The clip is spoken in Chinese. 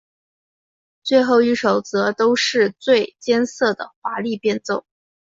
最后一首则都是最艰涩的华丽变奏。